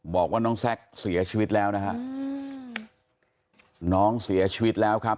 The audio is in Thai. บอกว่าน้องแซ็กเสียชีวิตแล้วนะฮะน้องเสียชีวิตแล้วครับ